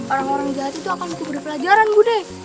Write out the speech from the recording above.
orang orang jahat itu akan mencubur pelajaran budi